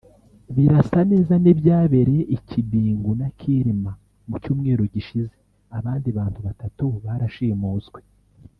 Birasa neza n’ibyabereye i Kibingu na Kirima mu cyumweru gishize abandi bantu batatu barashimuswe